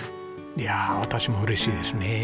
いや私も嬉しいですね。